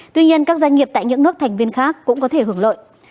tuy nhiên các doanh nghiệp tại những nước thành viên khác cũng có thể hưởng lợi